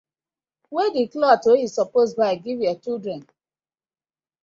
Wey di clothe wey yu suppose buy giv yah children?